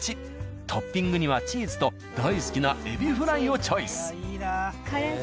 トッピングにはチーズと大好きなエビフライをチョイス。